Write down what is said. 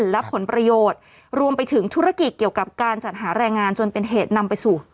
และผลประโยชน์รวมไปถึงธุรกิจเกี่ยวกับการจัดหาแรงงานจนเป็นเหตุนำไปสู่